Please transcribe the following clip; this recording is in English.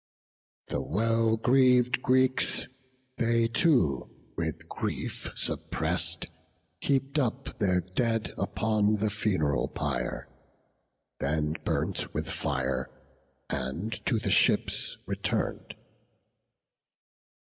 The well greav'd Greeks, they too, with grief suppress'd, Heap'd up their dead upon the fun'ral pyre; Then burnt with fire, and to the ships return'd.